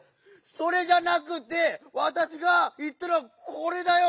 「それ」じゃなくてわたしがいったのは「これ」だよ！